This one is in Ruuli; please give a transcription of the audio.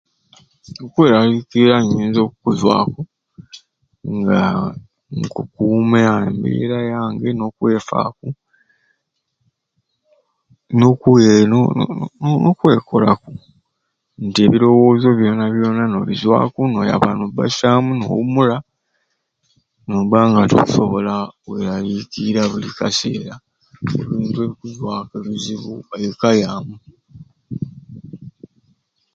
Okwelaliikira nyinza okuzwaku nga nkukuma embeera yange nokwefaku no no no kwekolaku nti ebirowooza byona byona nobizwaku noyaba nobasyamu nowumula noba nga tokusobola kwelaliikira buli kaseera ebintu ebiyinza okuzwamu ebizibu omweka yamu